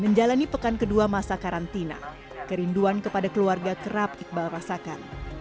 menjalani pekan kedua masa karantina kerinduan kepada keluarga kerap iqbal rasakan